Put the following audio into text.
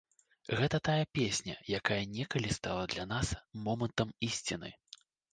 Гэта тая песня, якая некалі стала для нас момантам ісціны.